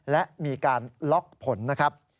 และมีการล็อกผลนะครับ